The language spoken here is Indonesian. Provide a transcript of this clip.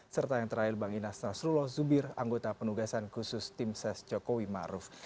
serta yang terakhir bang inas nasrullah zubir anggota penugasan khusus tim ses jokowi maruf